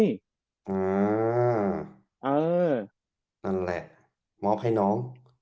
นั่นแหละมอบให้น้อง